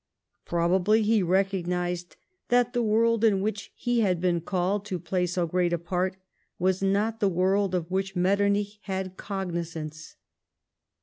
Probably he recognised that the world in which he had been called to play so great a part was not the world of which Metternich had cognizance.